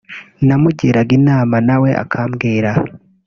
namugiraga inama nawe akambwira